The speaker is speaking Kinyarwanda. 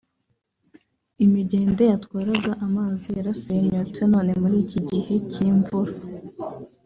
Imigende yatwaraga amazi yarasenyutse none muri iki gihe cy’imvura